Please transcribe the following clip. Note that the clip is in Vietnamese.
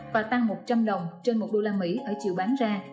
và tăng một trăm linh đồng trên một đô la mỹ ở chiều bán ra